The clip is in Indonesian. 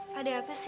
pada apa sih